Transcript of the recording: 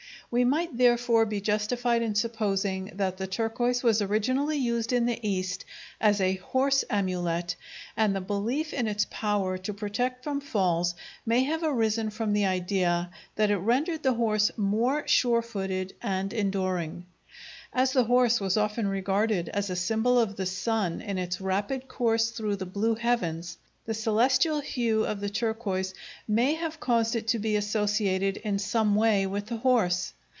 We might therefore be justified in supposing that the turquoise was originally used in the East as a "horse amulet," and the belief in its power to protect from falls may have arisen from the idea that it rendered the horse more sure footed and enduring. As the horse was often regarded as a symbol of the sun in its rapid course through the blue heavens, the celestial hue of the turquoise may have caused it to be associated in some way with the horse.